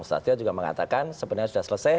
satyo juga mengatakan sebenarnya sudah selesai